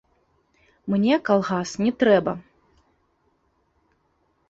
Мне калгас не трэба.